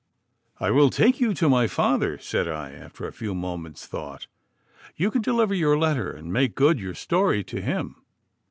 'I will take you to my father,' said I, after a few moments' thought. 'You can deliver your letter and make good your story to him.